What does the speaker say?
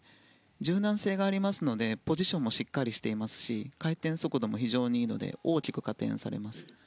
柔軟性がありますのでポジションもしっかりしていますので回転速度も非常にいいので大きく加点されます。